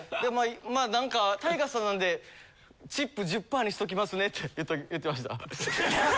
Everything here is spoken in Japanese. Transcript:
まあなんかＴＡＩＧＡさんなんでチップ１０パーにしときますねって言ってました。